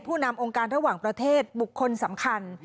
นำองค์การระหว่างประเทศบุคคลสำคัญ